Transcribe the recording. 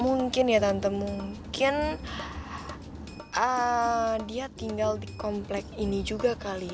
mungkin ya tante mungkin dia tinggal di komplek ini juga kali